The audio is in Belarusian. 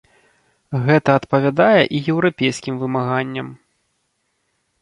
Гэта адпавядае і еўрапейскім вымаганням.